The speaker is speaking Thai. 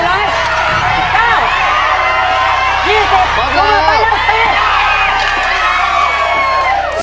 เสร็จใส่เลย๑๙๒๐มือไปแล้วสิ